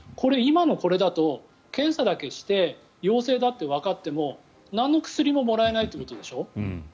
今のこれだと、検査だけして陽性だってわかってもなんの薬ももらえないということでしょ。